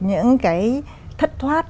những cái thất thoát